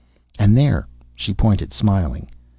"And there." She pointed, smiling.